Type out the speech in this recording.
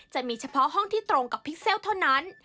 จะมีเฉพาะห้องที่ตรงกับพิกเซลเท่านั้น